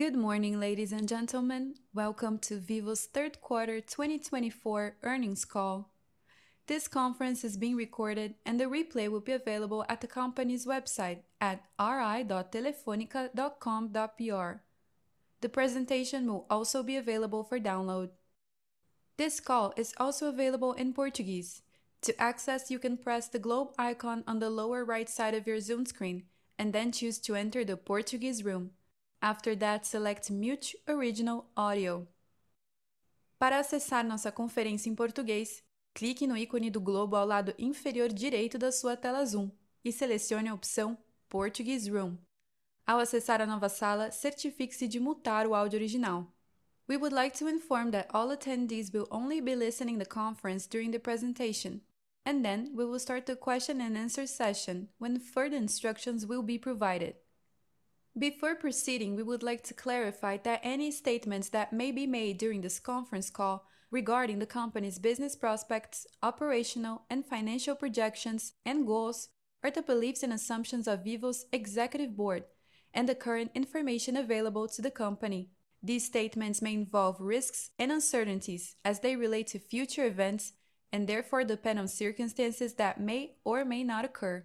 Good morning, ladies and gentlemen. Welcome to Vivo's third quarter 2024 earnings call. This conference is being recorded, and the replay will be available at the company's website at ri.telefonica.com.br. The presentation will also be available for download. This call is also available in Portuguese. To access, you can press the globe icon on the lower right side of your Zoom screen and then choose to enter the Portuguese room. After that, select "Mute Original Audio". Para acessar nossa conferência em português, clique no ícone do globo ao lado inferior direito da sua tela Zoom e selecione a opção "Portuguese Room". Ao acessar a nova sala, certifique-se de mutar o áudio original. We would like to inform that all attendees will only be listening to the conference during the presentation, and then we will start the question-and-answer session when further instructions will be provided. Before proceeding, we would like to clarify that any statements that may be made during this conference call regarding the company's business prospects, operational and financial projections, and goals are the beliefs and assumptions of Vivo's executive board and the current information available to the company. These statements may involve risks and uncertainties as they relate to future events and therefore depend on circumstances that may or may not occur.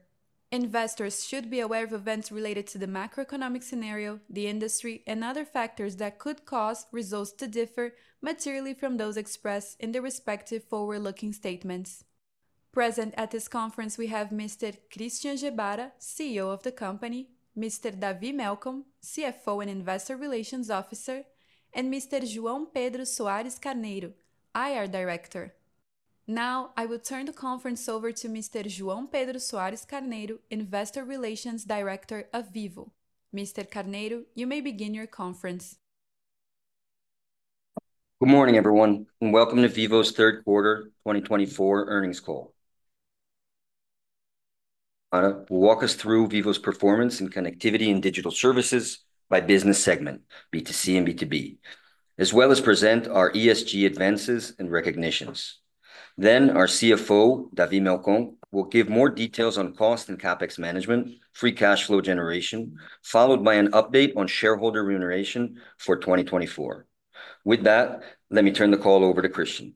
Investors should be aware of events related to the macroeconomic scenario, the industry, and other factors that could cause results to differ materially from those expressed in the respective forward-looking statements. Present at this conference, we have Mr. Christian Gebara, CEO of the company, Mr. David Melcon, CFO and Investor Relations Officer, and Mr. João Pedro Soares Carneiro, IR Director. Now, I will turn the conference over to Mr. João Pedro Soares Carneiro, Investor Relations Director of Vivo. Mr. Carneiro, you may begin your conference. Good morning, everyone, and welcome to Vivo's third quarter 2024 earnings call. I'll walk us through Vivo's performance in connectivity and digital services by business segment, B2C and B2B, as well as present our ESG advances and recognitions. Then, our CFO, David Melcon, will give more details on cost and CapEx management, free cash flow generation, followed by an update on shareholder remuneration for 2024. With that, let me turn the call over to Christian.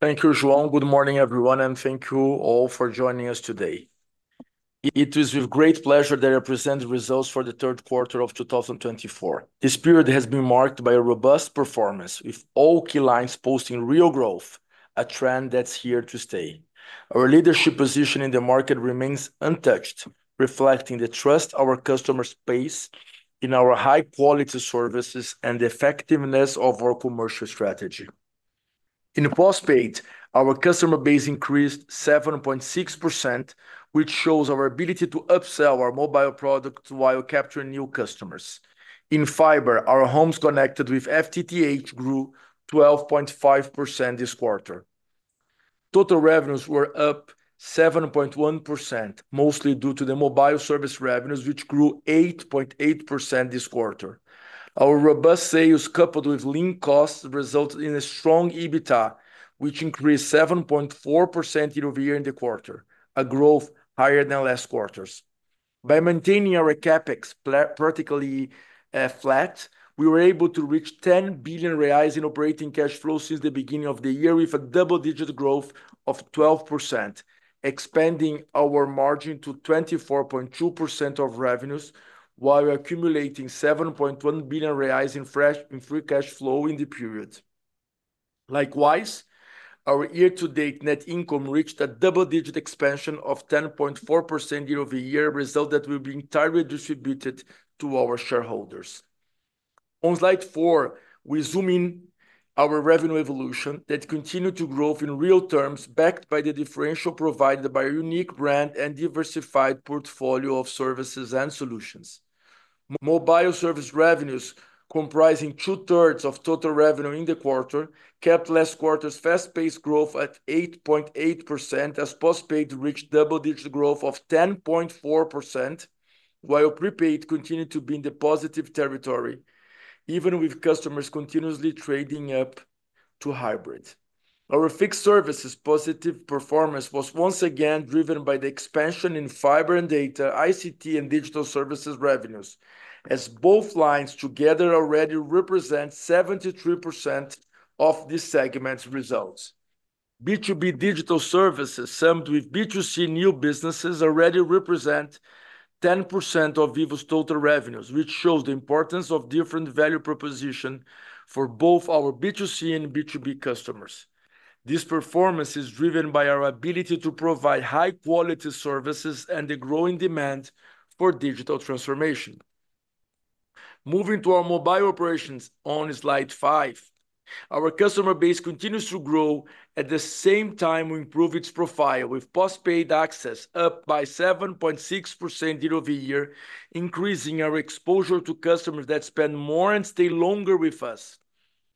Thank you, João. Good morning, everyone, and thank you all for joining us today. It is with great pleasure that I present the results for the third quarter of 2024. This period has been marked by a robust performance, with all key lines posting real growth, a trend that's here to stay. Our leadership position in the market remains untouched, reflecting the trust our customers place in our high-quality services and the effectiveness of our commercial strategy. In postpaid, our customer base increased 7.6%, which shows our ability to upsell our mobile products while capturing new customers. In fiber, our homes connected with FTTH grew 12.5% this quarter. Total revenues were up 7.1%, mostly due to the mobile service revenues, which grew 8.8% this quarter. Our robust sales, coupled with lean costs, resulted in a strong EBITDA, which increased 7.4% year-over-year in the quarter, a growth higher than last quarter. By maintaining our CapEx practically flat, we were able to reach 10 billion reais in operating cash flow since the beginning of the year, with a double-digit growth of 12%, expanding our margin to 24.2% of revenues, while accumulating 7.1 billion reais in free cash flow in the period. Likewise, our year-to-date net income reached a double-digit expansion of 10.4% year-over-year, a result that will be entirely distributed to our shareholders. On slide four, we zoom in on our revenue evolution that continued to grow in real terms, backed by the differential provided by a unique brand and diversified portfolio of services and solutions. Mobile service revenues, comprising two-thirds of total revenue in the quarter, kept last quarter's fast-paced growth at 8.8%, as postpaid reached double-digit growth of 10.4%, while prepaid continued to be in the positive territory, even with customers continuously trading up to hybrid. Our fixed services' positive performance was once again driven by the expansion in fiber and data, ICT, and digital services revenues, as both lines together already represent 73% of this segment's results. B2B digital services, summed with B2C new businesses, already represent 10% of Vivo's total revenues, which shows the importance of different value propositions for both our B2C and B2B customers. This performance is driven by our ability to provide high-quality services and the growing demand for digital transformation. Moving to our mobile operations on slide five, our customer base continues to grow at the same time we improve its profile, with postpaid access up by 7.6% year-over-year, increasing our exposure to customers that spend more and stay longer with us.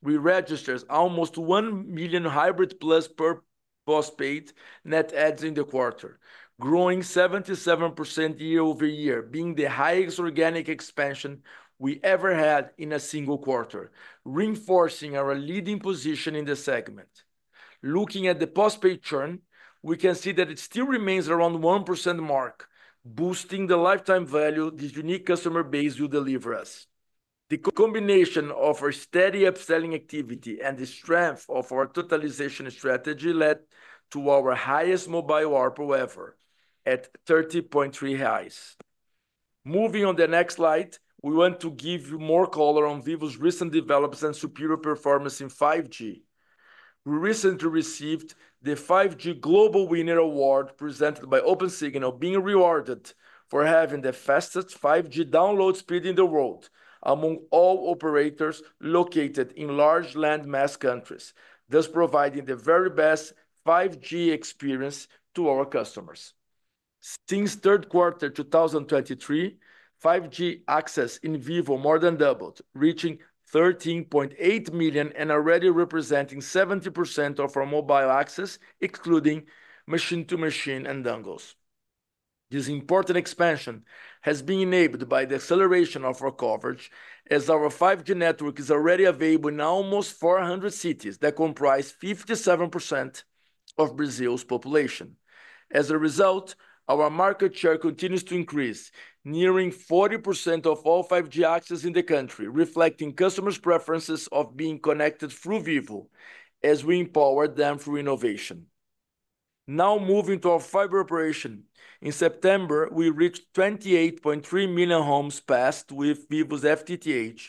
We registered almost 1 million hybrid plus per postpaid net adds in the quarter, growing 77% year-over-year, being the highest organic expansion we ever had in a single quarter, reinforcing our leading position in the segment. Looking at the postpaid churn, we can see that it still remains around the 1% mark, boosting the lifetime value this unique customer base will deliver us. The combination of our steady upselling activity and the strength of our totalization strategy led to our highest mobile ARPU ever at 30.3. Moving on the next slide, we want to give you more color on Vivo's recent developments and superior performance in 5G. We recently received the 5G Global Winner Award, presented by Opensignal, being rewarded for having the fastest 5G download speed in the world among all operators located in large landmass countries, thus providing the very best 5G experience to our customers. Since third quarter 2023, 5G access in Vivo more than doubled, reaching 13.8 million and already representing 70% of our mobile access, excluding machine-to-machine and dongles. This important expansion has been enabled by the acceleration of our coverage, as our 5G network is already available in almost 400 cities that comprise 57% of Brazil's population. As a result, our market share continues to increase, nearing 40% of all 5G access in the country, reflecting customers' preferences of being connected through Vivo as we empower them through innovation. Now, moving to our fiber operation, in September, we reached 28.3 million homes passed with Vivo's FTTH,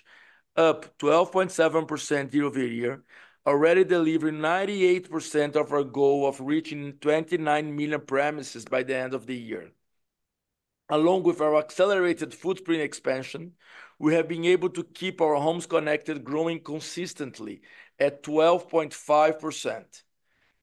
up 12.7% year-over-year, already delivering 98% of our goal of reaching 29 million premises by the end of the year. Along with our accelerated footprint expansion, we have been able to keep our homes connected, growing consistently at 12.5%.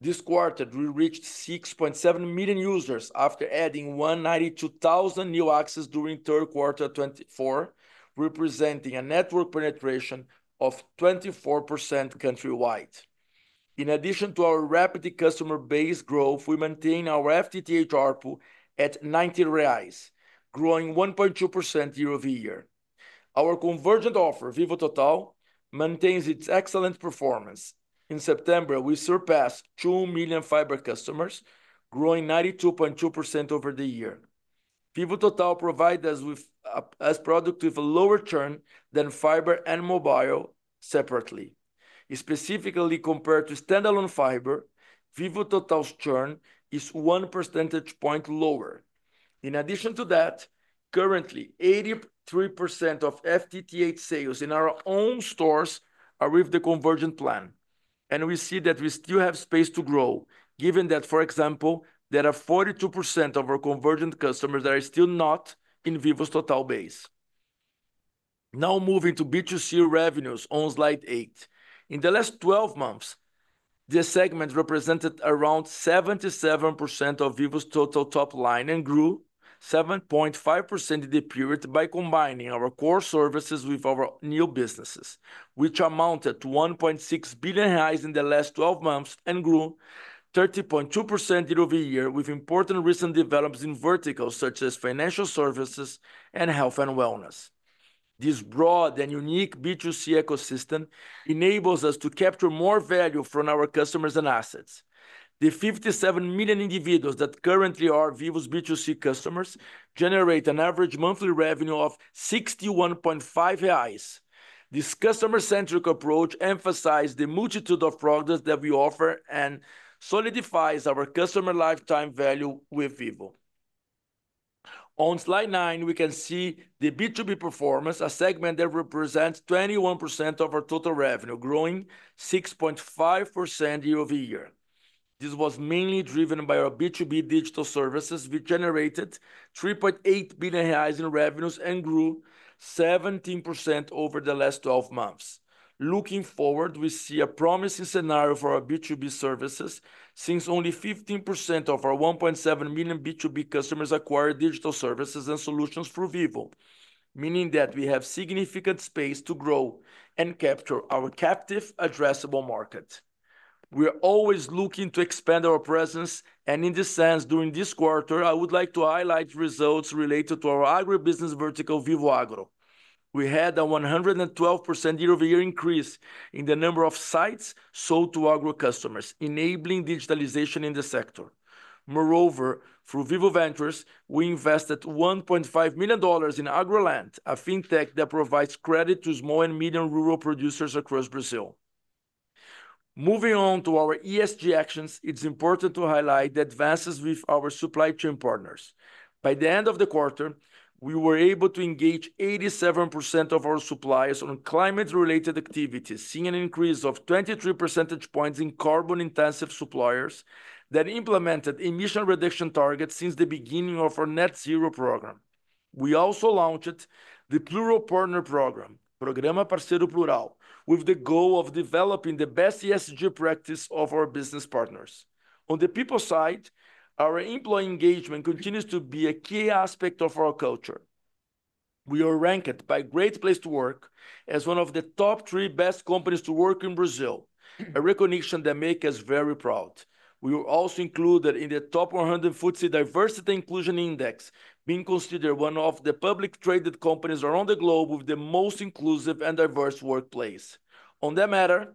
This quarter, we reached 6.7 million users after adding 192,000 new access during third quarter 2024, representing a network penetration of 24% countrywide. In addition to our rapid customer base growth, we maintain our FTTH ARPU at 19 reais, growing 1.2% year-over-year. Our convergent offer, Vivo Total, maintains its excellent performance. In September, we surpassed 2 million fiber customers, growing 92.2% over the year. Vivo Total provides us with a product with a lower churn than fiber and mobile separately. Specifically, compared to standalone fiber, Vivo Total's churn is one percentage point lower. In addition to that, currently, 83% of FTTH sales in our own stores are with the convergent plan, and we see that we still have space to grow, given that, for example, there are 42% of our convergent customers that are still not in Vivo Total base. Now, moving to B2C revenues on slide eight. In the last 12 months, the segment represented around 77% of Vivo's total top line and grew 7.5% in the period by combining our core services with our new businesses, which amounted to 1.6 billion reais in the last 12 months and grew 30.2% year-over-year with important recent developments in verticals such as financial services and health and wellness. This broad and unique B2C ecosystem enables us to capture more value from our customers and assets. The 57 million individuals that currently are Vivo's B2C customers generate an average monthly revenue of 61.5 reais. This customer-centric approach emphasizes the multitude of products that we offer and solidifies our customer lifetime value with Vivo. On slide nine, we can see the B2B performance, a segment that represents 21% of our total revenue, growing 6.5% year-over-year. This was mainly driven by our B2B digital services, which generated 3.8 billion reais in revenues and grew 17% over the last 12 months. Looking forward, we see a promising scenario for our B2B services since only 15% of our 1.7 million B2B customers acquired digital services and solutions through Vivo, meaning that we have significant space to grow and capture our captive, addressable market. We are always looking to expand our presence, and in this sense, during this quarter, I would like to highlight results related to our agribusiness vertical, Vivo Agro. We had a 112% year-over-year increase in the number of sites sold to agro customers, enabling digitalization in the sector. Moreover, through Vivo Ventures, we invested $1.5 million in Agrolend, a fintech that provides credit to small and medium rural producers across Brazil. Moving on to our ESG actions, it's important to highlight the advances with our supply chain partners. By the end of the quarter, we were able to engage 87% of our suppliers on climate-related activities, seeing an increase of 23 percentage points in carbon-intensive suppliers that implemented emission reduction targets since the beginning of our net zero program. We also launched the Plural Partner Program, Programa Parceiro Plural, with the goal of developing the best ESG practice of our business partners. On the people side, our employee engagement continues to be a key aspect of our culture. We are ranked by Great Place to Work as one of the top three best companies to work in Brazil, a recognition that makes us very proud. We were also included in the Top 100 FTSE Diversity Inclusion Index, being considered one of the publicly traded companies around the globe with the most inclusive and diverse workplace. On that matter,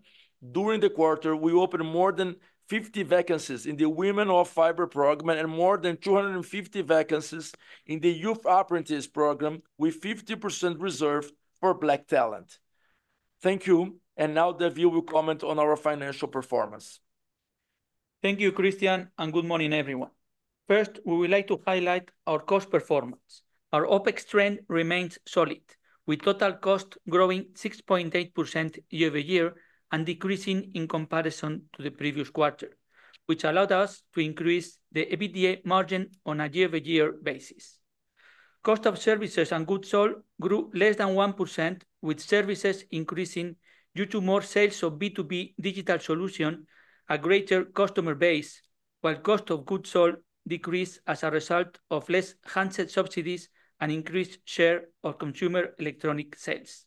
during the quarter, we opened more than 50 vacancies in the Women of Fiber program and more than 250 vacancies in the Youth Apprentice program, with 50% reserved for Black talent. Thank you, and now David will comment on our financial performance. Thank you, Christian, and good morning, everyone. First, we would like to highlight our cost performance. Our OpEx trend remains solid, with total cost growing 6.8% year-over-year and decreasing in comparison to the previous quarter, which allowed us to increase the EBITDA margin on a year-over-year basis. Cost of services and goods sold grew less than 1%, with services increasing due to more sales of B2B digital solutions, a greater customer base, while cost of goods sold decreased as a result of less handset subsidies and increased share of consumer electronic sales.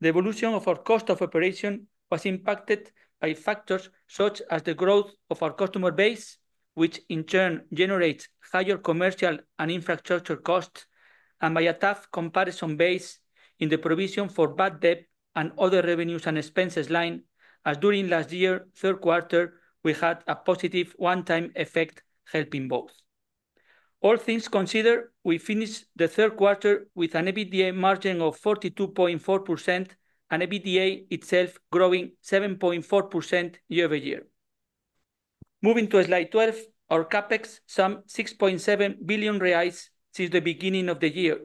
The evolution of our cost of operation was impacted by factors such as the growth of our customer base, which in turn generates higher commercial and infrastructure costs, and by a tough comparison base in the provision for bad debt and other revenues and expenses line, as during last year's third quarter, we had a positive one-time effect helping both. All things considered, we finished the third quarter with an EBITDA margin of 42.4% and EBITDA itself growing 7.4% year-over-year. Moving to slide 12, our CapEx summed 6.7 billion reais since the beginning of the year,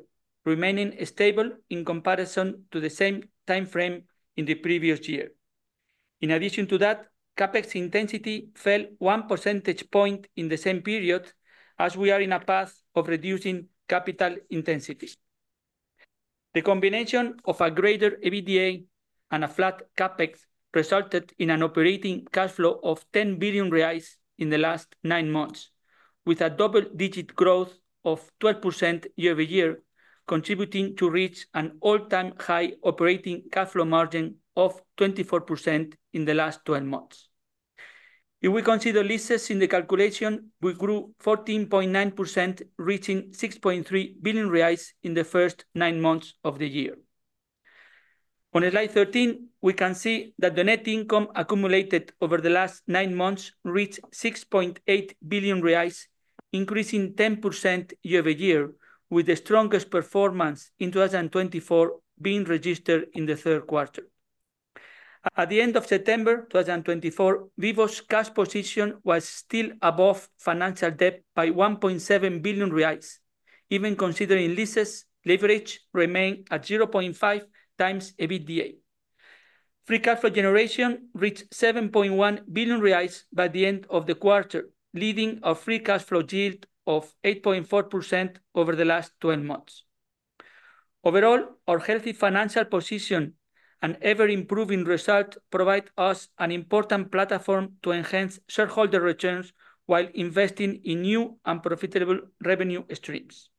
remaining stable in comparison to the same timeframe in the previous year. In addition to that, CapEx intensity fell one percentage point in the same period, as we are in a path of reducing capital intensity. The combination of a greater EBITDA and a flat CapEx resulted in an operating cash flow of 10 billion reais in the last nine months, with a double-digit growth of 12% year-over-year, contributing to reach an all-time high operating cash flow margin of 24% in the last 12 months. If we consider leases in the calculation, we grew 14.9%, reaching 6.3 billion reais in the first nine months of the year. On slide 13, we can see that the net income accumulated over the last nine months reached 6.8 billion reais, increasing 10% year-over-year, with the strongest performance in 2024 being registered in the third quarter. At the end of September 2024, Vivo's cash position was still above financial debt by 1.7 billion reais, even considering leases, leverage remained at 0.5x EBITDA. Free cash flow generation reached 7.1 billion reais by the end of the quarter, leading a free cash flow yield of 8.4% over the last 12 months. Overall, our healthy financial position and ever-improving results provide us an important platform to enhance shareholder returns while investing in new and profitable revenue streams.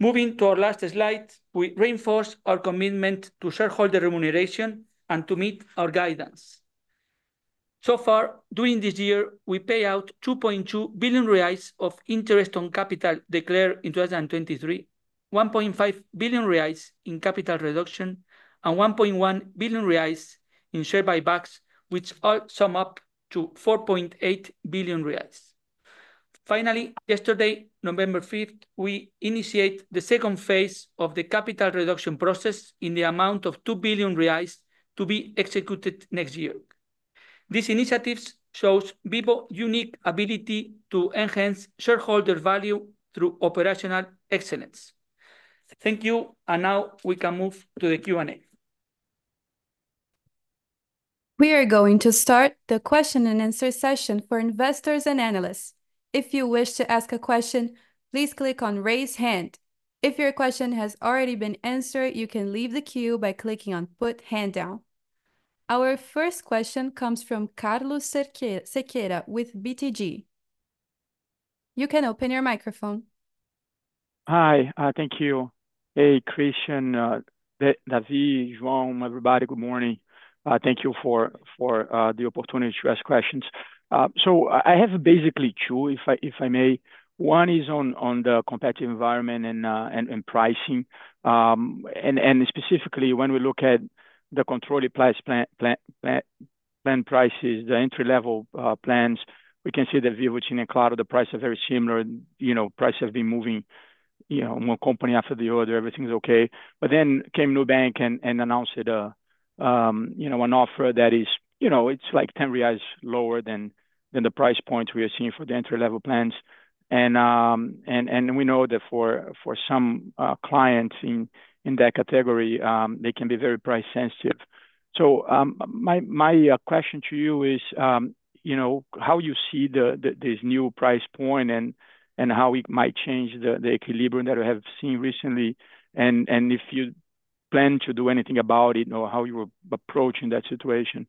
Moving to our last slide, we reinforce our commitment to shareholder remuneration and to meet our guidance. So far, during this year, we paid out 2.2 billion reais of interest on capital declared in 2023, 1.5 billion reais in capital reduction, and 1.1 billion reais in share buybacks, which all sum up to 4.8 billion reais. Finally, yesterday, November 5th, we initiated the second phase of the capital reduction process in the amount of 2 billion reais to be executed next year. This initiative shows Vivo's unique ability to enhance shareholder value through operational excellence. Thank you, and now we can move to the Q&A. We are going to start the question and answer session for investors and analysts. If you wish to ask a question, please click on "Raise Hand." If your question has already been answered, you can leave the queue by clicking on "Put Hand Down." Our first question comes from Carlos Sequeira with BTG. You can open your microphone. Hi, thank you. Hey, Christian, David, João, everybody, good morning. Thank you for the opportunity to ask questions. I have basically two, if I may. One is on the competitive environment and pricing. Specifically, when we look at the control plan prices, the entry-level plans, we can see that Vivo, Claro, the prices are very similar. Prices have been moving one company after the other. Everything's okay. But then came Nubank and announced an offer that is, you know, it's like 10 reais lower than the price point we are seeing for the entry-level plans. We know that for some clients in that category, they can be very price-sensitive. So my question to you is, you know, how you see this new price point and how it might change the equilibrium that we have seen recently, and if you plan to do anything about it or how you're approaching that situation?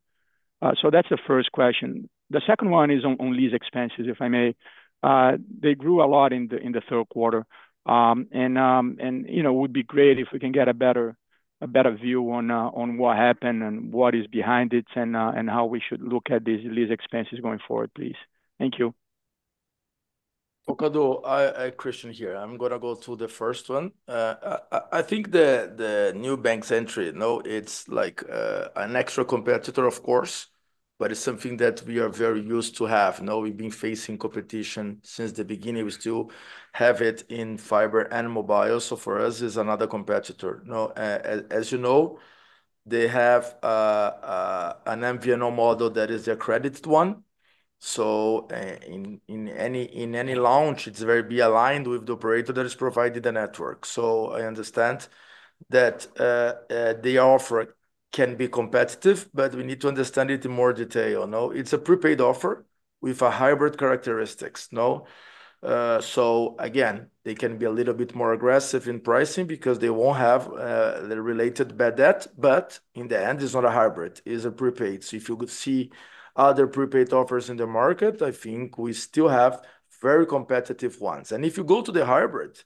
So that's the first question. The second one is on lease expenses, if I may. They grew a lot in the third quarter. And it would be great if we can get a better view on what happened and what is behind it and how we should look at these lease expenses going forward, please. Thank you. Christian here. I'm going to go to the first one. I think the Nubank's entry, it's like an extra competitor, of course, but it's something that we are very used to have. We've been facing competition since the beginning. We still have it in fiber and mobile, so for us, it's another competitor. As you know, they have an MVNO model that is the accredited one. So in any launch, it's very aligned with the operator that has provided the network, so I understand that the offer can be competitive, but we need to understand it in more detail. It's a prepaid offer with hybrid characteristics, so again, they can be a little bit more aggressive in pricing because they won't have the related bad debt. But in the end, it's not a hybrid. It's a prepaid. So if you could see other prepaid offers in the market, I think we still have very competitive ones. And if you go to the hybrid,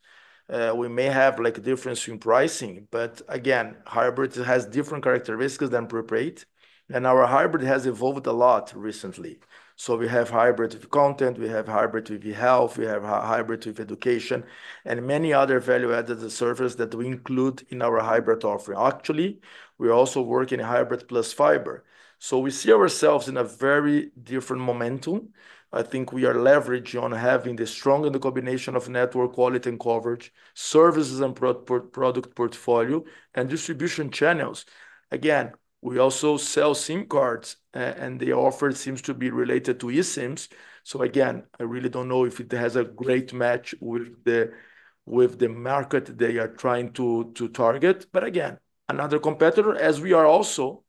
we may have a difference in pricing. But again, hybrid has different characteristics than prepaid. And our hybrid has evolved a lot recently. So we have hybrid with content. We have hybrid with health. We have hybrid with education and many other value-added services that we include in our hybrid offering. Actually, we're also working in hybrid plus fiber. So we see ourselves in a very different momentum. I think we are leveraged on having the strong combination of network quality and coverage, services and product portfolio, and distribution channels. Again, we also sell SIM cards, and the offer seems to be related to eSIMs. So again, I really don't know if it has a great match with the market they are trying to target. But again, another competitor, as we are also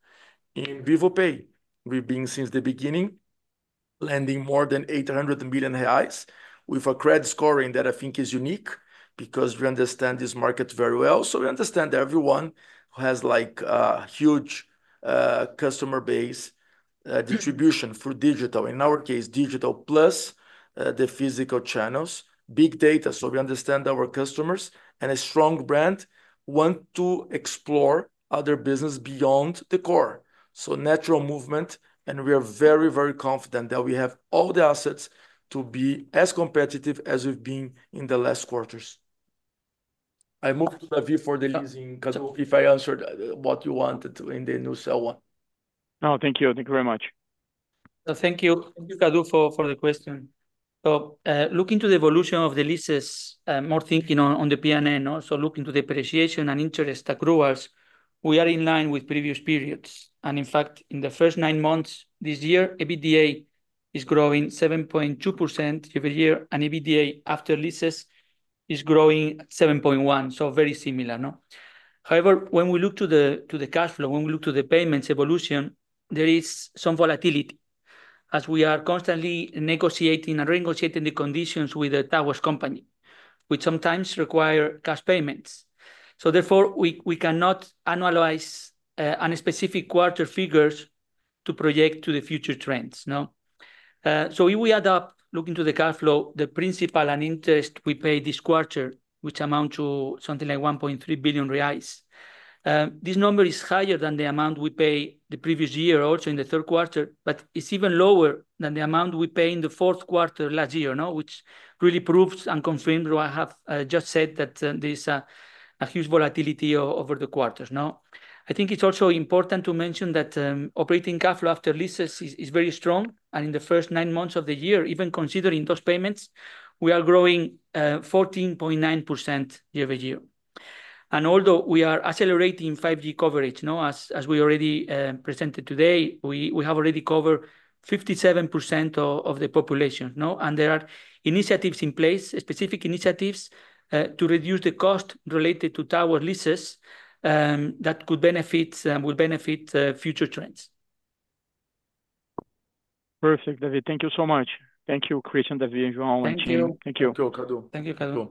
in Vivo Pay, we've been since the beginning lending more than 800 million reais with a credit scoring that I think is unique because we understand this market very well. So we understand everyone who has a huge customer base distribution through digital, in our case, digital plus the physical channels, big data. So we understand our customers and a strong brand want to explore other businesses beyond the core. So natural movement, and we are very, very confident that we have all the assets to be as competitive as we've been in the last quarters. I moved to David for the leasing because if I answered what you wanted in the new sale one. No, thank you. Thank you very much. Thank you. Thank you, Carlos, for the question. So, looking to the evolution of the leases, more thinking on the P&L, also looking to depreciation and interest accruals, we are in line with previous periods. And, in fact, in the first nine months this year, EBITDA is growing 7.2% year-over-year, and EBITDA after leases is growing 7.1%. So, very similar. However, when we look to the cash flow, when we look to the payments evolution, there is some volatility as we are constantly negotiating and renegotiating the conditions with the Towers company, which sometimes require cash payments. So, therefore, we cannot analyze unspecified quarter figures to project to the future trends. So if we add up, looking to the cash flow, the principal and interest we paid this quarter, which amounts to something like 1.3 billion reais, this number is higher than the amount we paid the previous year also in the third quarter, but it's even lower than the amount we paid in the fourth quarter last year, which really proves and confirms what I have just said, that there is a huge volatility over the quarters. I think it's also important to mention that operating cash flow after leases is very strong. And in the first nine months of the year, even considering those payments, we are growing 14.9% year-over-year. And although we are accelerating 5G coverage, as we already presented today, we have already covered 57% of the population. There are initiatives in place, specific initiatives to reduce the cost related to tower leases that could benefit and will benefit future trends. Perfect, David. Thank you so much. Thank you, Christian, David, and João. Thank you. Thank you. Thank you, Cadu.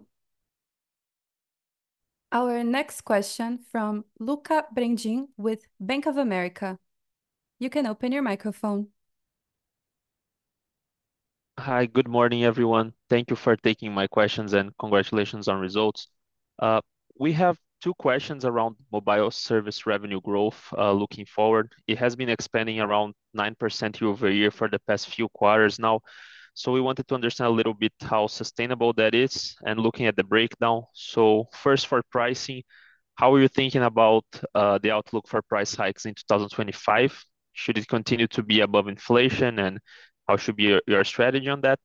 Our next question from Lucca Brendim with Bank of America. You can open your microphone. Hi, good morning, everyone. Thank you for taking my questions and congratulations on results. We have two questions around mobile service revenue growth looking forward. It has been expanding around 9% year-over-year for the past few quarters now. So we wanted to understand a little bit how sustainable that is and looking at the breakdown. So first, for pricing, how are you thinking about the outlook for price hikes in 2025? Should it continue to be above inflation, and how should be your strategy on that?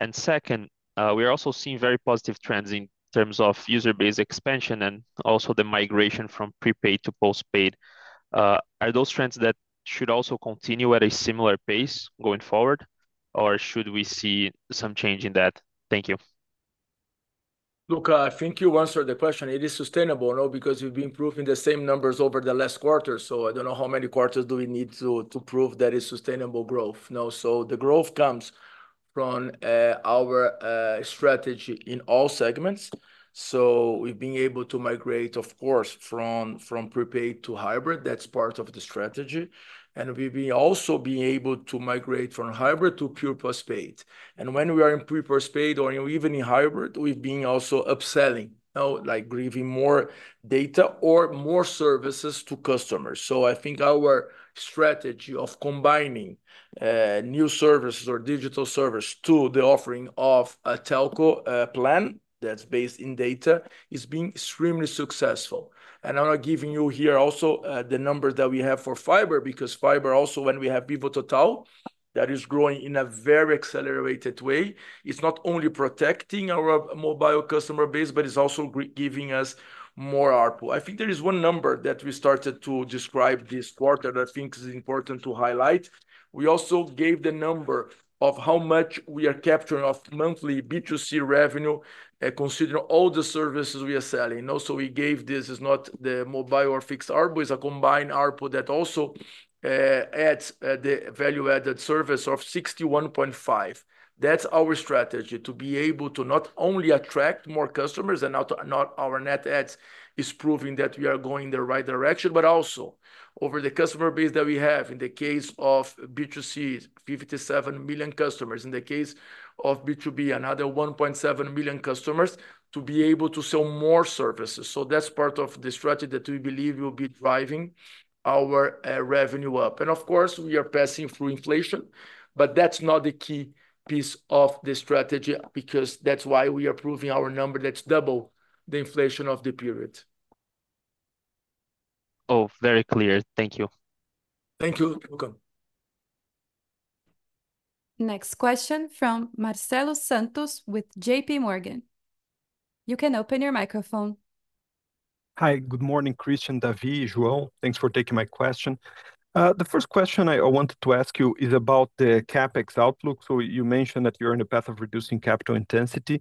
And second, we are also seeing very positive trends in terms of user base expansion and also the migration from prepaid to postpaid. Are those trends that should also continue at a similar pace going forward, or should we see some change in that? Thank you. Luca, I think you answered the question. It is sustainable because we've been proving the same numbers over the last quarter. So I don't know how many quarters do we need to prove that it's sustainable growth. So the growth comes from our strategy in all segments. So we've been able to migrate, of course, from prepaid to hybrid. That's part of the strategy. And we've been also being able to migrate from hybrid to pure postpaid. And when we are in prepaid or even in hybrid, we've been also upselling, like giving more data or more services to customers. So I think our strategy of combining new services or digital services to the offering of a telco plan that's based in data is being extremely successful. And I'm not giving you here also the number that we have for fiber because fiber also, when we have Vivo Total, that is growing in a very accelerated way. It's not only protecting our mobile customer base, but it's also giving us more ARPU. I think there is one number that we started to describe this quarter that I think is important to highlight. We also gave the number of how much we are capturing of monthly B2C revenue, considering all the services we are selling. So we gave; this is not the mobile or fixed ARPU. It's a combined ARPU that also adds the value-added service of 61.5. That's our strategy to be able to not only attract more customers and our net adds is proving that we are going in the right direction, but also over the customer base that we have. In the case of B2C, 57 million customers. In the case of B2B, another 1.7 million customers to be able to sell more services. So that's part of the strategy that we believe will be driving our revenue up. And of course, we are passing through inflation, but that's not the key piece of the strategy because that's why we are proving our number that's double the inflation of the period. Oh, very clear. Thank you. Thank you, Lucca. Next question from Marcelo Santos with JPMorgan. You can open your microphone. Hi, good morning, Christian, David, João. Thanks for taking my question. The first question I wanted to ask you is about the CapEx outlook. You mentioned that you're in the path of reducing capital intensity.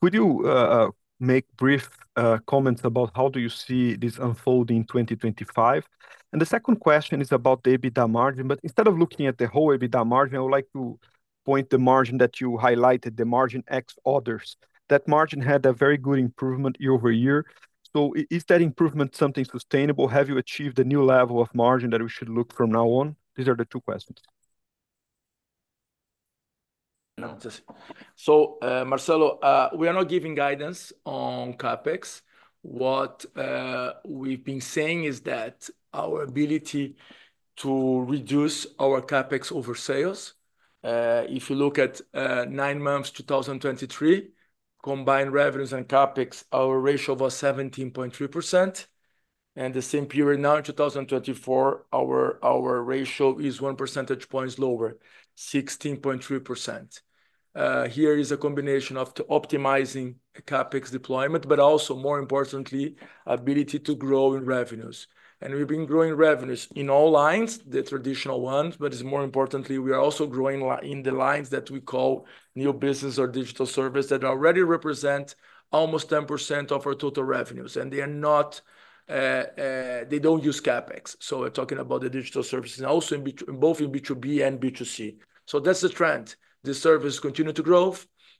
Could you make brief comments about how you see this unfolding in 2025? The second question is about the EBITDA margin. Instead of looking at the whole EBITDA margin, I would like to point to the margin that you highlighted, the margin ex others. That margin had a very good improvement year-over-year. Is that improvement something sustainable? Have you achieved a new level of margin that we should look from now on? These are the two questions. So Marcelo, we are not giving guidance on CapEx. What we've been saying is that our ability to reduce our CapEx over sales, if you look at nine months 2023, combined revenues and CapEx, our ratio was 17.3%, and the same period now in 2024, our ratio is one percentage point lower, 16.3%. This is a combination of optimizing CapEx deployment, but also, more importantly, ability to grow in revenues, and we've been growing revenues in all lines, the traditional ones, but more importantly, we are also growing in the lines that we call new business or digital services that already represent almost 10% of our total revenues, and they don't use CapEx, so we're talking about the digital services, also both in B2B and B2C, so that's the trend. The service continues to grow.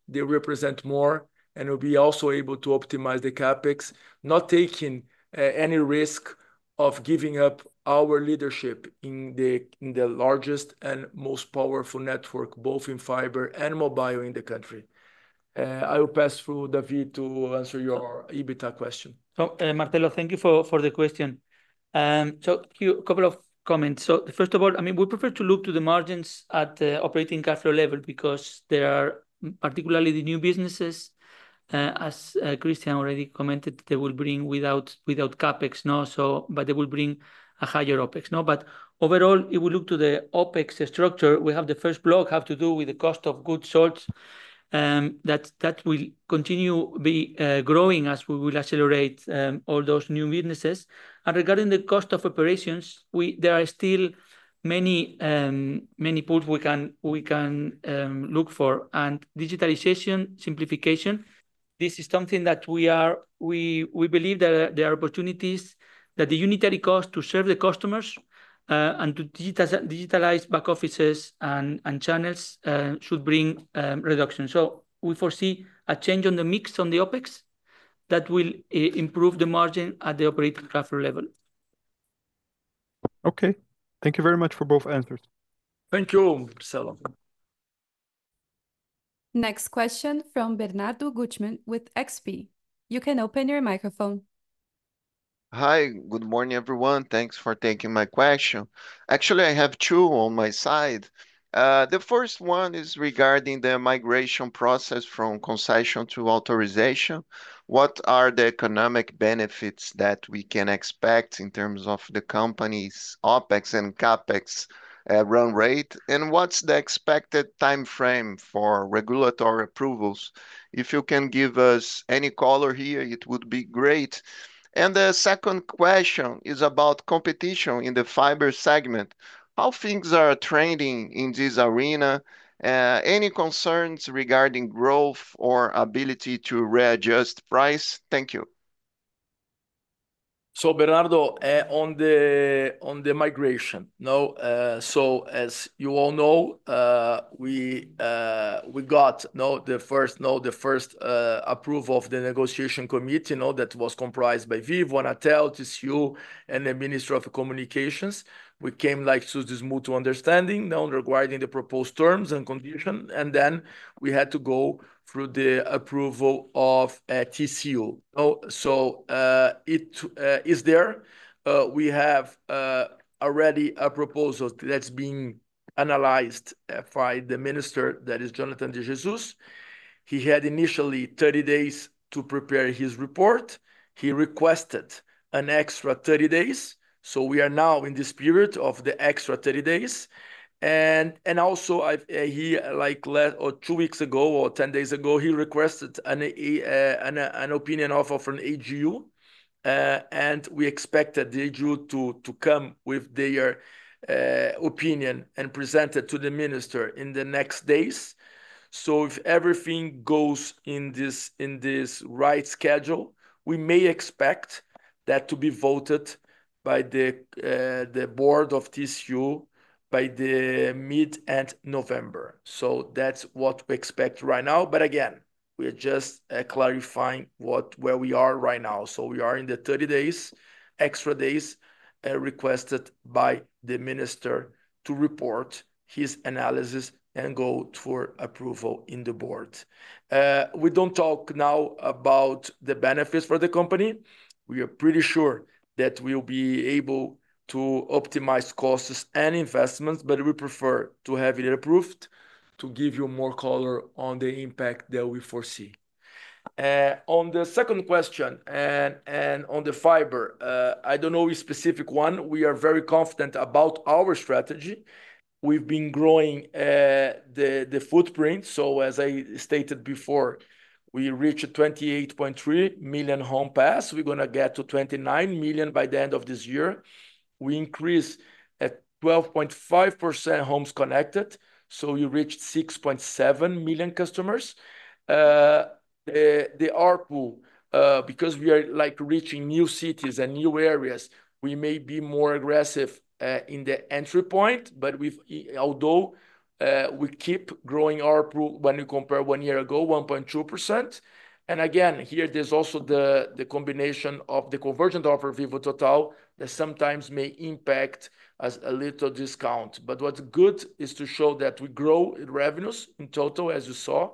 They represent more, and we'll be also able to optimize the CapEx, not taking any risk of giving up our leadership in the largest and most powerful network, both in fiber and mobile in the country. I will pass through David to answer your EBITDA question. So, Marcelo, thank you for the question. So a couple of comments. So first of all, I mean, we prefer to look to the margins at the operating cash flow level because there are particularly the new businesses, as Christian already commented, they will bring without CapEx, but they will bring a higher OpEx. But overall, if we look to the OpEx structure, we have the first block have to do with the cost of goods sold. That will continue to be growing as we will accelerate all those new businesses. And regarding the cost of operations, there are still many pools we can look for. And digitalization, simplification. This is something that we believe that there are opportunities that the unitary cost to serve the customers and to digitalize back offices and channels should bring reduction. So we foresee a change on the mix on the OpEx that will improve the margin at the operating cash flow level. Okay. Thank you very much for both answers. Thank you, Marcelo. Next question from Bernardo Guttmann with XP. You can open your microphone. Hi, good morning, everyone. Thanks for taking my question. Actually, I have two on my side. The first one is regarding the migration process from concession to authorization. What are the economic benefits that we can expect in terms of the company's OpEx and CapEx run rate? And what's the expected timeframe for regulatory approvals? If you can give us any color here, it would be great. And the second question is about competition in the fiber segment. How things are trending in this arena? Any concerns regarding growth or ability to readjust price? Thank you. So, Bernardo, on the migration. So as you all know, we got the first approval of the negotiation committee that was comprised by Vivo, Anatel, TCU, and the Minister of Communications. We came like to this mutual understanding regarding the proposed terms and conditions. And then we had to go through the approval of TCU. So it is there. We have already a proposal that's being analyzed by the minister that is Jhonatan de Jesus. He had initially 30 days to prepare his report. He requested an extra 30 days. So we are now in the spirit of the extra 30 days. And also, like two weeks ago or 10 days ago, he requested an opinion of an AGU. And we expected the AGU to come with their opinion and present it to the minister in the next days. So if everything goes in this right schedule, we may expect that to be voted by the board of TCU by mid-end November. So that's what we expect right now. But again, we are just clarifying where we are right now. So we are in the 30 days, extra days requested by the minister to report his analysis and go for approval in the board. We don't talk now about the benefits for the company. We are pretty sure that we'll be able to optimize costs and investments, but we prefer to have it approved to give you more color on the impact that we foresee. On the second question and on the fiber, I don't know a specific one. We are very confident about our strategy. We've been growing the footprint. So as I stated before, we reached 28.3 million homes passed. We're going to get to 29 million by the end of this year. We increased at 12.5% homes connected, so we reached 6.7 million customers. The ARPU, because we are reaching new cities and new areas, we may be more aggressive in the entry point, although we keep growing ARPU when we compare one year ago, 1.2%. And again, here there's also the combination of the convergent offer Vivo Total that sometimes may impact a little discount. But what's good is to show that we grow in revenues in total, as you saw,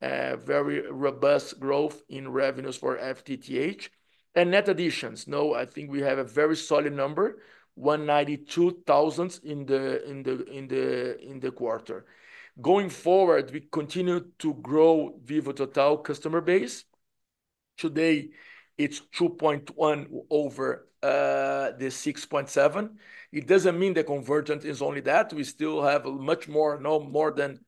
very robust growth in revenues for FTTH. And net additions, I think we have a very solid number, 192,000 in the quarter. Going forward, we continue to grow Vivo Total customer base. Today, it's 2.1 over the 6.7. It doesn't mean the convergent is only that. We still have much more, no more than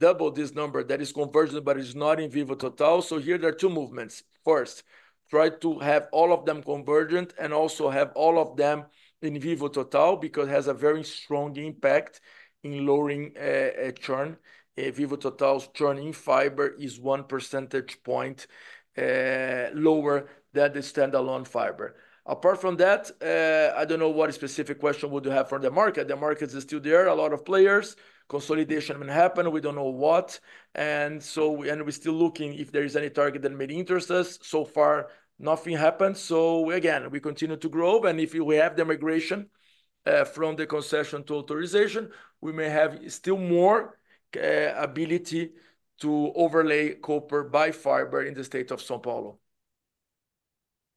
double this number that is convergent, but it's not in Vivo Total. So here there are two movements. First, try to have all of them convergent and also have all of them in Vivo Total because it has a very strong impact in lowering churn. Vivo Total's churn in fiber is one percentage point lower than the standalone fiber. Apart from that, I don't know what specific question would you have for the market. The market is still there. A lot of players. Consolidation will happen. We don't know what. And we're still looking if there is any target that may interest us. So far, nothing happened. So again, we continue to grow. And if we have the migration from the concession to authorization, we may have still more ability to overlay copper by fiber in the state of São Paulo.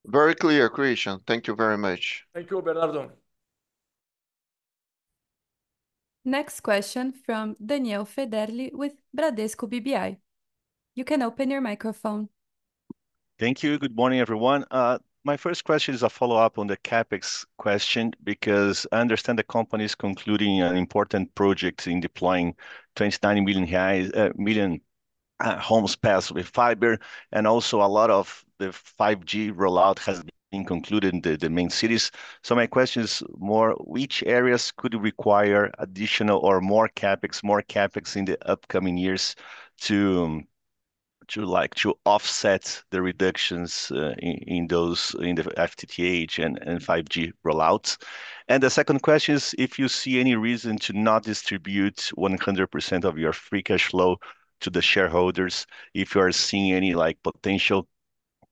Very clear, Christian. Thank you very much. Thank you, Bernardo. Next question from Daniel Federle with Bradesco BBI. You can open your microphone. Thank you. Good morning, everyone. My first question is a follow-up on the CapEx question because I understand the company is concluding an important project in deploying 29 million homes passed with fiber, and also a lot of the 5G rollout has been concluded in the main cities, so my question is more, which areas could require additional or more CapEx, more CapEx in the upcoming years to offset the reductions in the FTTH and 5G rollouts, and the second question is, if you see any reason to not distribute 100% of your free cash flow to the shareholders, if you are seeing any potential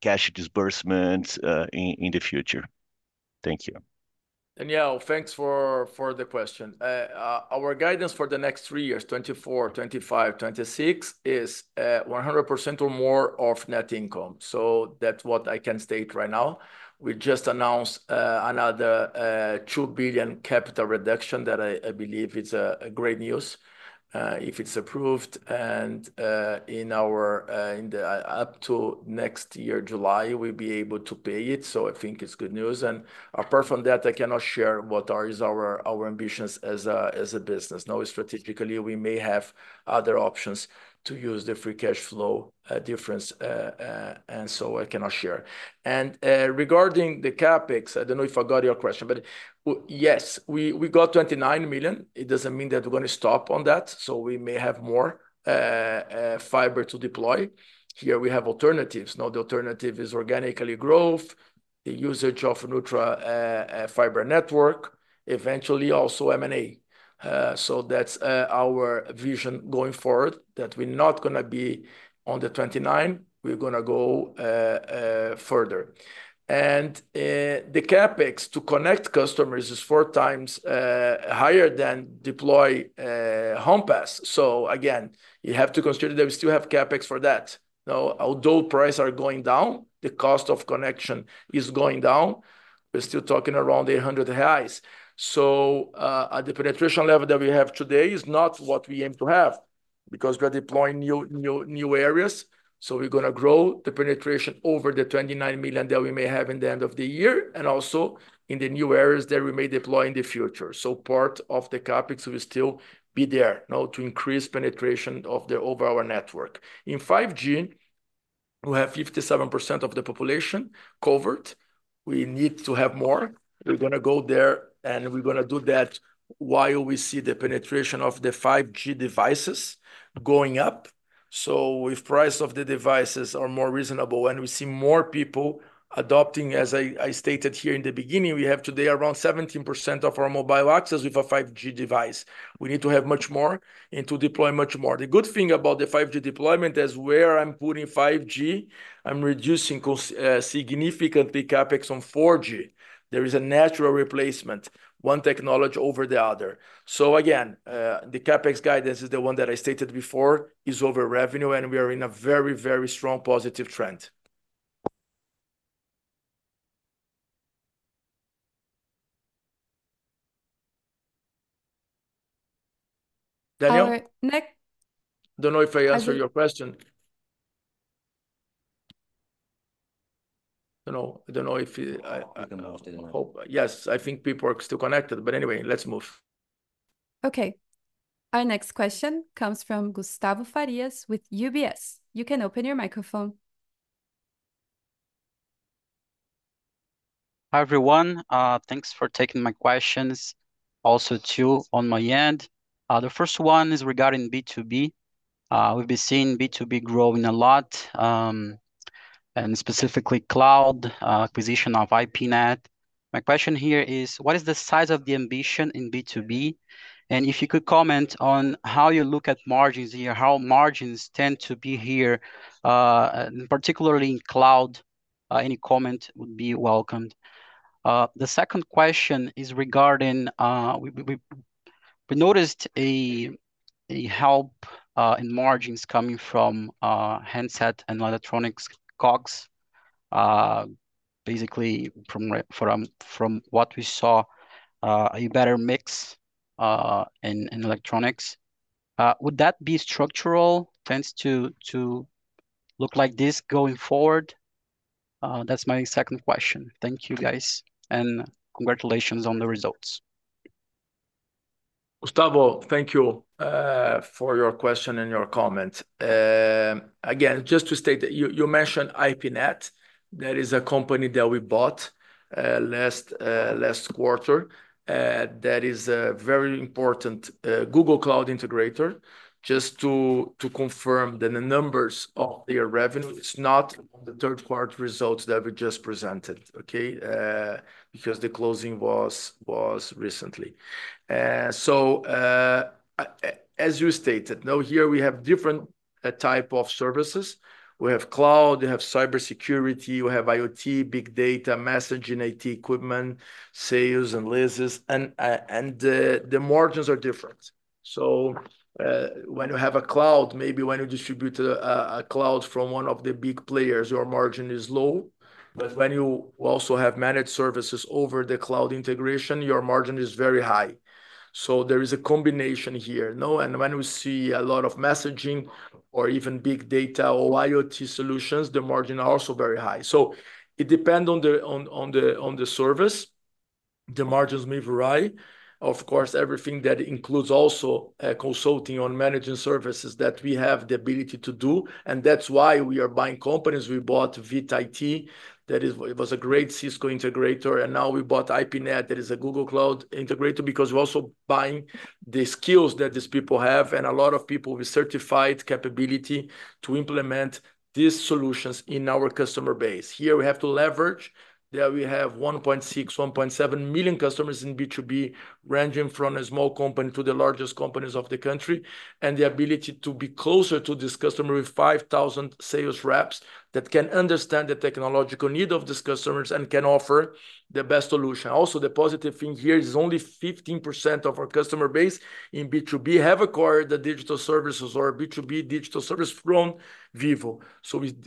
cash disbursement in the future? Thank you. Daniel, thanks for the question. Our guidance for the next three years, 2024, 2025, 2026, is 100% or more of net income. So that's what I can state right now. We just announced another 2 billion capital reduction that I believe is great news if it's approved, and in or up to next year, July, we'll be able to pay it. So I think it's good news, and apart from that, I cannot share what are our ambitions as a business. Strategically, we may have other options to use the free cash flow difference, and so I cannot share. Regarding the CapEx, I don't know if I got your question, but yes, we got 29 million. It doesn't mean that we're going to stop on that. So we may have more fiber to deploy. Here we have alternatives. The alternative is organic growth, the usage of neutral fiber network, eventually also M&A. That's our vision going forward that we're not going to be at the 29. We're going to go further. The CapEx to connect customers is four times higher than to deploy home passed. Again, you have to consider that we still have CapEx for that. Although prices are going down, the cost of connection is going down. We're still talking around 800 reais. The penetration level that we have today is not what we aim to have because we're deploying new areas. We're going to grow the penetration over the 29 million that we may have at the end of the year and also in the new areas that we may deploy in the future. Part of the CapEx will still be there to increase penetration of the overall network. In 5G, we have 57% of the population covered. We need to have more. We're going to go there, and we're going to do that while we see the penetration of the 5G devices going up. So if prices of the devices are more reasonable and we see more people adopting, as I stated here in the beginning, we have today around 17% of our mobile access with a 5G device. We need to have much more and to deploy much more. The good thing about the 5G deployment is where I'm putting 5G, I'm reducing significantly CapEx on 4G. There is a natural replacement, one technology over the other. So again, the CapEx guidance is the one that I stated before is over revenue, and we are in a very, very strong positive trend. Daniel? I don't know if I answered your question. I don't know if I can help. Yes, I think people are still connected. But anyway, let's move. Okay. Our next question comes from Gustavo Farias with UBS. You can open your microphone. Hi, everyone. Thanks for taking my questions. Also two on my end. The first one is regarding B2B. We've been seeing B2B growing a lot, and specifically cloud acquisition of IPNET. My question here is, what is the size of the ambition in B2B? And if you could comment on how you look at margins here, how margins tend to be here, particularly in cloud, any comment would be welcomed. The second question is regarding we noticed a help in margins coming from handset and electronics COGS. Basically, from what we saw, a better mix in electronics. Would that be structural? Tends to look like this going forward? That's my second question. Thank you, guys. And congratulations on the results. Gustavo, thank you for your question and your comment. Again, just to state that you mentioned IPNET. That is a company that we bought last quarter that is a very important Google Cloud integrator. Just to confirm that the numbers of their revenue is not on the third quarter results that we just presented, okay? Because the closing was recently. So as you stated, here we have different types of services. We have cloud, we have cybersecurity, we have IoT, big data, messaging, IT equipment, sales, and leases, and the margins are different, so when you have a cloud, maybe when you distribute a cloud from one of the big players, your margin is low. But when you also have managed services over the cloud integration, your margin is very high, so there is a combination here. When we see a lot of messaging or even big data or IoT solutions, the margins are also very high. It depends on the service. The margins may vary. Of course, everything that includes also consulting on managing services that we have the ability to do. That's why we are buying companies. We bought Vita IT. That was a great Cisco integrator. Now we bought IPNET that is a Google Cloud integrator because we're also buying the skills that these people have. A lot of people with certified capability to implement these solutions in our customer base. Here we have to leverage that we have 1.6 million-1.7 million customers in B2B ranging from a small company to the largest companies of the country. The ability to be closer to this customer with 5,000 sales reps that can understand the technological need of these customers and can offer the best solution. Also, the positive thing here is only 15% of our customer base in B2B have acquired the digital services or B2B digital service from Vivo.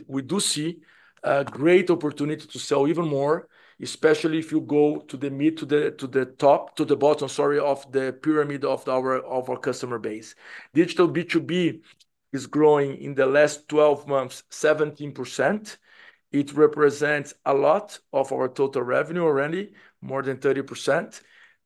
We do see a great opportunity to sell even more, especially if you go to the top, to the bottom, sorry, of the pyramid of our customer base. Digital B2B is growing in the last 12 months, 17%. It represents a lot of our total revenue already, more than 30%.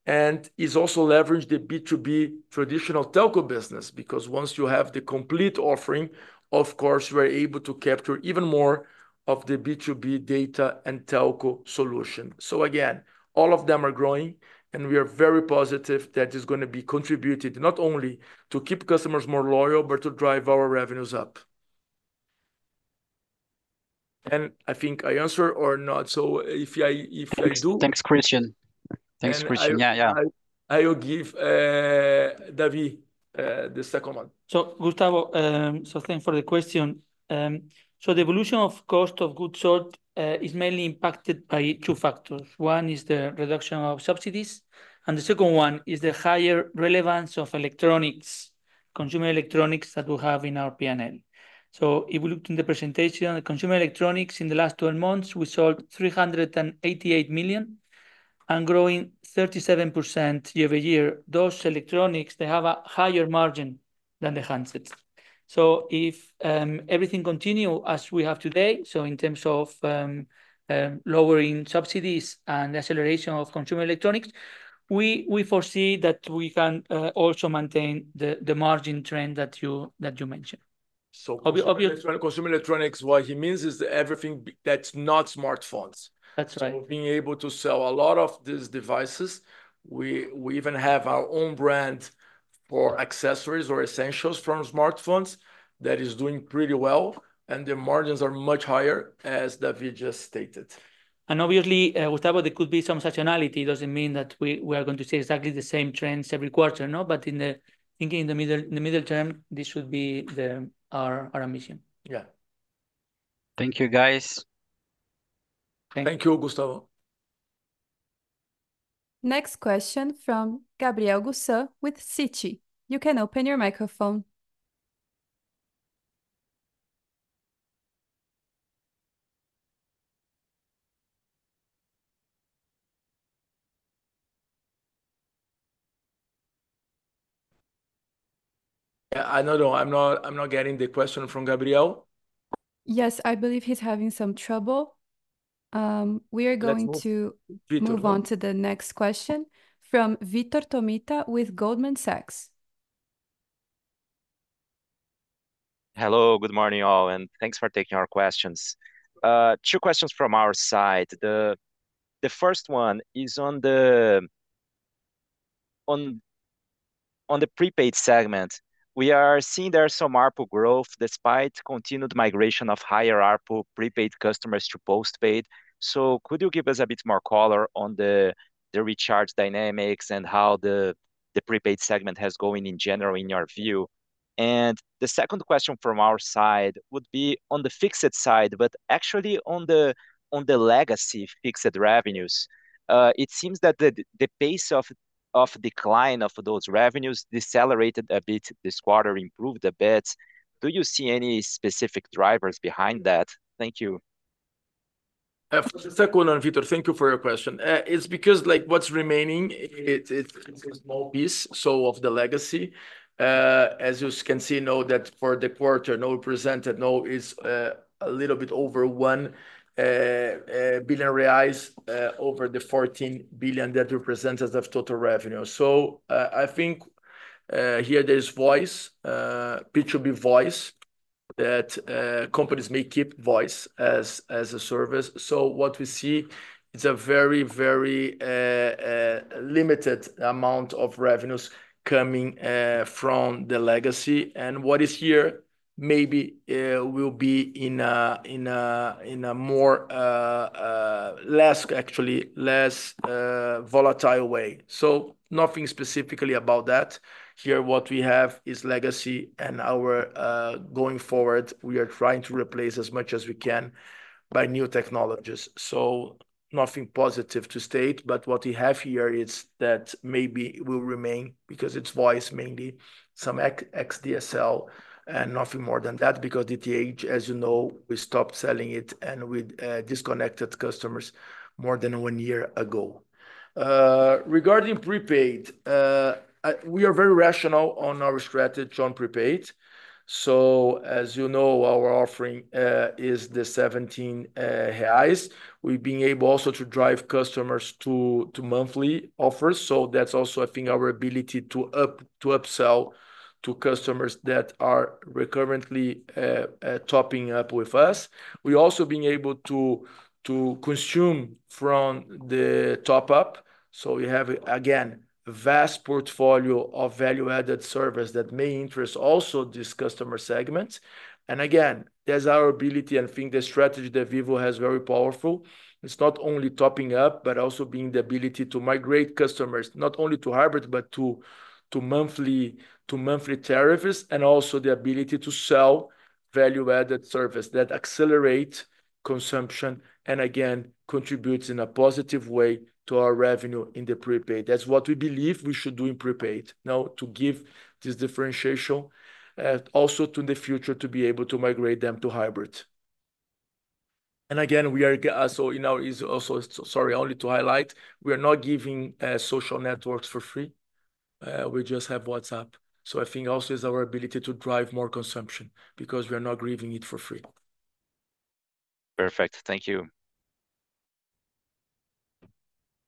It's also leveraged the B2B traditional telco business because once you have the complete offering, of course, you are able to capture even more of the B2B data and telco solution. Again, all of them are growing. And we are very positive that it's going to be contributed not only to keep customers more loyal, but to drive our revenues up. And I think I answered or not. So if I do. Thanks, Christian. Thanks, Christian. Yeah, yeah. I will give David the second one. Gustavo, thank you for the question. The evolution of cost of goods sold is mainly impacted by two factors. One is the reduction of subsidies. The second one is the higher relevance of electronics, consumer electronics that we have in our P&L. If we looked in the presentation, consumer electronics in the last 12 months, we sold 388 million and growing 37% year-over-year. Those electronics, they have a higher margin than the handsets. If everything continues as we have today, in terms of lowering subsidies and the acceleration of consumer electronics, we foresee that we can also maintain the margin trend that you mentioned. So consumer electronics, what he means is everything that's not smartphones. That's right. So being able to sell a lot of these devices, we even have our own brand for accessories or essentials from smartphones that is doing pretty well. And the margins are much higher, as David just stated. Obviously, Gustavo, there could be some saturation. It doesn't mean that we are going to see exactly the same trends every quarter, but thinking in the middle term, this should be our ambition. Yeah. Thank you, guys. Thank you, Gustavo. Next question from Gabriel Gusan with Citi. You can open your microphone. Yeah, I don't know. I'm not getting the question from Gabriel. Yes, I believe he's having some trouble. We are going to move on to the next question from Vitor Tomita with Goldman Sachs. Hello, good morning, all, and thanks for taking our questions. Two questions from our side. The first one is on the prepaid segment. We are seeing there's some ARPU growth despite continued migration of higher ARPU prepaid customers to postpaid, so could you give us a bit more color on the recharge dynamics and how the prepaid segment has gone in general in your view, and the second question from our side would be on the fixed side, but actually on the legacy fixed revenues. It seems that the pace of decline of those revenues decelerated a bit this quarter, improved a bit. Do you see any specific drivers behind that? Thank you. Second one, Vitor, thank you for your question. It's because what's remaining is a small piece, so of the legacy. As you can see, for the quarter presented, it's a little bit over 1 billion reais over the 14 billion that represents as of total revenue. So I think here there's voice, B2B voice, that companies may keep voice as a service. So what we see, it's a very, very limited amount of revenues coming from the legacy. And what is here maybe will be in a more less, actually, less volatile way. So nothing specifically about that. Here, what we have is legacy. And going forward, we are trying to replace as much as we can by new technologies. So nothing positive to state. But what we have here is that maybe will remain because it's voice mainly, some xDSL, and nothing more than that because DTH, as you know, we stopped selling it and we disconnected customers more than one year ago. Regarding prepaid, we are very rational on our strategy on prepaid. So as you know, our offering is 17 reais. We've been able also to drive customers to monthly offers. So that's also, I think, our ability to upsell to customers that are recurrently topping up with us. We're also being able to consume from the top-up. So we have, again, a vast portfolio of value-added service that may interest also this customer segment. And again, there's our ability and I think the strategy that Vivo has very powerful. It's not only topping up, but also being the ability to migrate customers not only to hybrid, but to monthly tariffs and also the ability to sell value-added service that accelerates consumption and again, contributes in a positive way to our revenue in the prepaid. That's what we believe we should do in prepaid now to give this differentiation also to the future to be able to migrate them to hybrid. And again, we are also sorry, only to highlight, we are not giving social networks for free. We just have WhatsApp. So I think also it's our ability to drive more consumption because we are not giving it for free. Perfect. Thank you.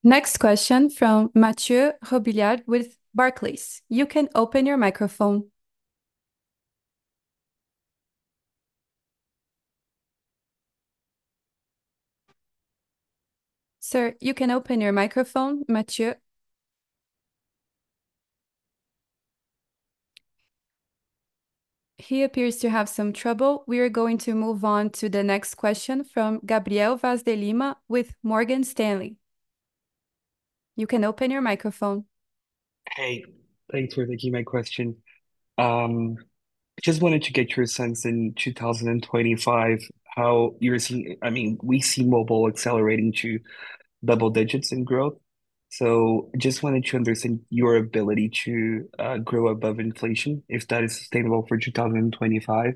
Next question from Mathieu Robilliard with Barclays. You can open your microphone. Sir, you can open your microphone, Mathieu. He appears to have some trouble. We are going to move on to the next question from Gabriel Vaz de Lima with Morgan Stanley. You can open your microphone. Hey, thanks for taking my question. I just wanted to get your sense in 2025, how you're seeing, I mean, we see mobile accelerating to double digits in growth. So I just wanted to understand your ability to grow above inflation, if that is sustainable for 2025.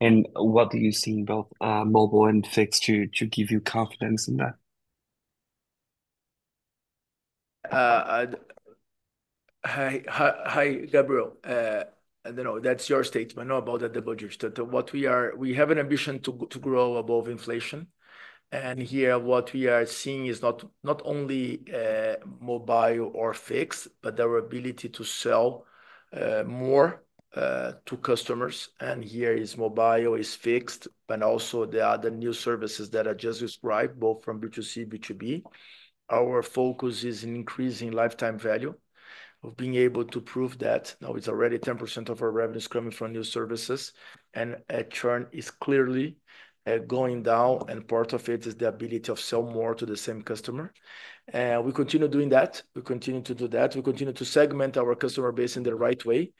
And what do you see in both mobile and fixed to give you confidence in that? Hi, Gabriel. No, that's your statement. No, about the double digits. What we are, we have an ambition to grow above inflation, and here, what we are seeing is not only mobile or fixed, but our ability to sell more to customers, and here is mobile, is fixed, but also the other new services that I just described, both from B2C, B2B. Our focus is in increasing lifetime value of being able to prove that now it's already 10% of our revenues coming from new services, and a churn is clearly going down, and part of it is the ability to sell more to the same customer, and we continue doing that. We continue to do that. We continue to segment our customer base in the right way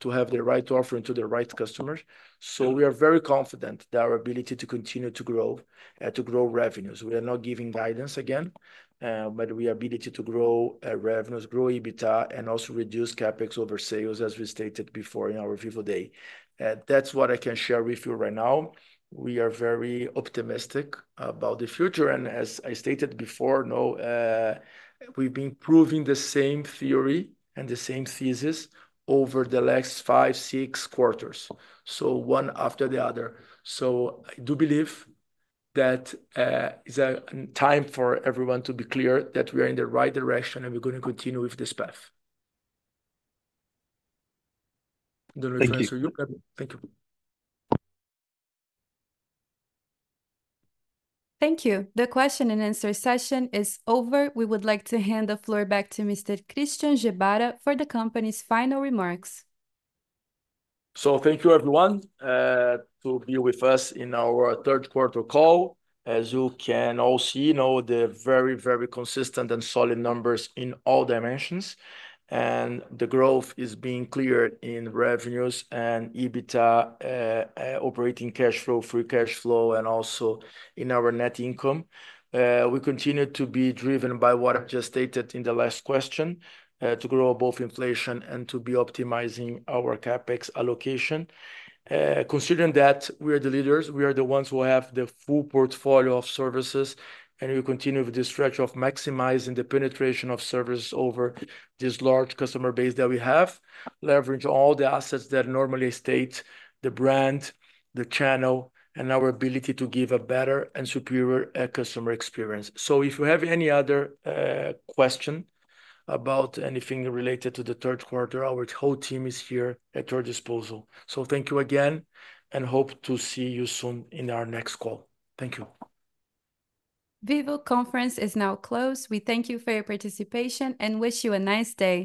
to have the right offering to the right customers, so we are very confident in our ability to continue to grow revenues. We are not giving guidance again, but we have the ability to grow revenues, grow EBITDA, and also reduce CapEx over sales, as we stated before in our Vivo Day. That's what I can share with you right now. We are very optimistic about the future. And as I stated before, we've been proving the same theory and the same thesis over the last five, six quarters, so one after the other. So I do believe that it's time for everyone to be clear that we are in the right direction and we're going to continue with this path. I don't know if I answered you. Thank you. Thank you. The question and answer session is over. We would like to hand the floor back to Mr. Christian Gebara for the company's final remarks. So thank you, everyone, to be with us in our third quarter call. As you can all see, the very, very consistent and solid numbers in all dimensions. And the growth is being clear in revenues and EBITDA, operating cash flow, free cash flow, and also in our net income. We continue to be driven by what I just stated in the last question to grow above inflation and to be optimizing our CapEx allocation. Considering that we are the leaders, we are the ones who have the full portfolio of services. And we continue with the stretch of maximizing the penetration of services over this large customer base that we have, leveraging all the assets that normally state the brand, the channel, and our ability to give a better and superior customer experience. So if you have any other question about anything related to the third quarter, our whole team is here at your disposal. So thank you again and hope to see you soon in our next call. Thank you. Vivo Conference is now closed. We thank you for your participation and wish you a nice day.